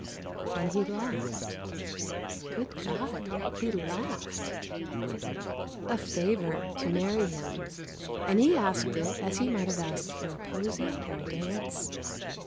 And he laughed. Good God! he laughed! "A favor" to marry him! And he asked it as he might have asked for a posie or a dance.